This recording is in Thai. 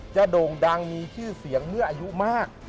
โด่งดังมีชื่อเสียงเมื่ออายุมาก